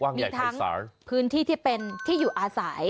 มีทั้งพื้นที่ที่เป็นที่อยู่อาศัย